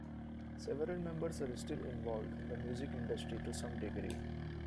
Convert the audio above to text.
Several members are still involved in the music industry to some degree.